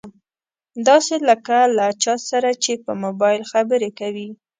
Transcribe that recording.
داسې لکه له چا سره چې په مبايل خبرې کوي.